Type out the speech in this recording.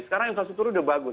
sekarang infrastruktur sudah bagus